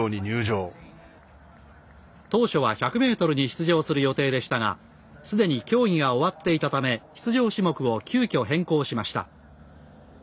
当初は１００ｍに出場する予定でしたがすでに競技が終わっていたため出場種目を急きょ変更しました。